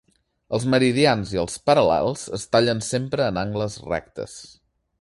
Els meridians i els paral·lels es tallen sempre en angles rectes.